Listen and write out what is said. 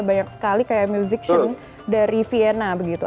banyak sekali kayak musik show dari vienna begitu